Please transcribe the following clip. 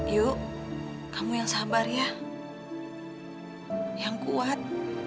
yuk kamu yang sabar ya yang kuat